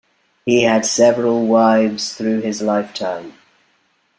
He had several wives through his lifetime.